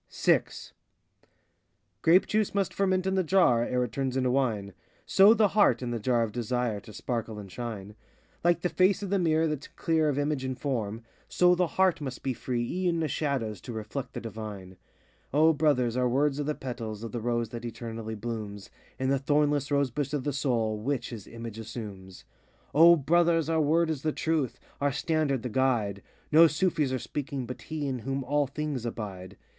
VI Grape juice must ferment in the jar, Ere it turns into wine; So the heart, in the jar of Desire, To sparkle and shine. Like the face of the mirror that 's clear Of image and form, So the heart must be free e'en of shadows To reflect the divine. O Brothers, our words are the petals Of the rose that eternally blooms In the thornless rose bush of the Soul, Which his image assumes. 92 O Brothers, our word is the truth, Our standard the guide; No Sufis are speaking, but he In whom all things abide.